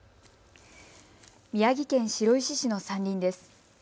宮城県白石市の山林です。